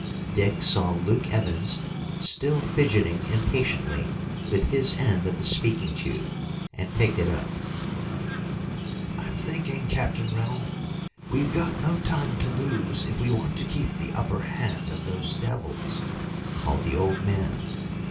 Dick saw Luke Evans still fidgeting impatiently with his end of the speaking tube, and picked it up. "I'm thinking, Captain Rennell, we've got no time to lose if we want to keep the upper hand of those devils," called the old man.